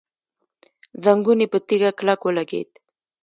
زنګون يې په تيږه کلک ولګېد.